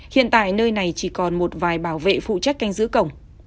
hiện tại nơi này chỉ còn một vài bảo vệ phụ trách canh giữ cổng